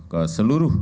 ke seluruh bumn